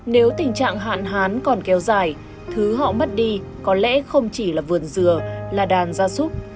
nếu tình trạng hạn hán còn kéo dài thứ họ mất đi có lẽ không chỉ là vườn dừa là đàn gia súc